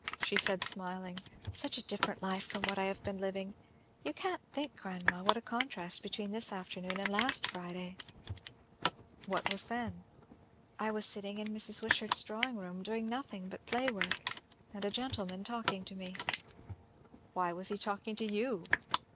she said, smiling. "Such a different life from what I have been living. You can't think, grandma, what a contrast between this afternoon and last Friday." "What was then?" "I was sitting in Mrs. Wishart's drawing room, doing nothing but play work, and a gentleman talking to me." "Why was he talking to _you?